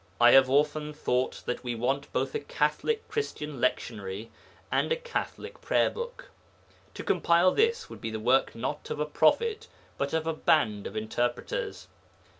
I have often thought that we want both a Catholic Christian lectionary and a Catholic prayer book. To compile this would be the work not of a prophet, but of a band of interpreters.